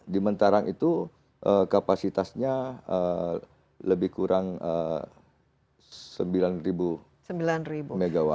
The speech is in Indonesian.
di mentara itu kapasitasnya lebih kurang sembilan ribu mw